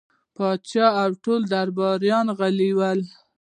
پاچا او ټول درباريان غلي ول.